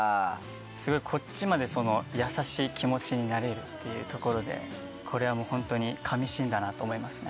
すごいこっちまで優しい気持ちになれるっていうところでこれはもうホントに神シーンだなと思いますね。